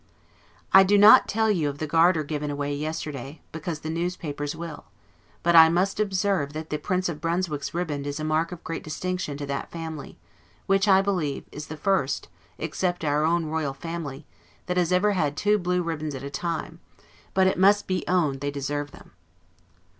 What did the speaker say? I do not tell you of the Garter given away yesterday, because the newspapers will; but, I must observe, that the Prince of Brunswick's riband is a mark of great distinction to that family; which I believe, is the first (except our own Royal Family) that has ever had two blue ribands at a time; but it must be owned they deserve them.